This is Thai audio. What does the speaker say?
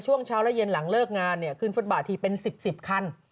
ช่วงเช้าและเย็นหลังเลิกงานเนี่ยขึ้นฟุตบาททีเป็น๑๐๑๐คัน